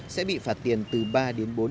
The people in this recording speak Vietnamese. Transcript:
sẽ bị phạt tiền từ ba đến bốn triệu đồng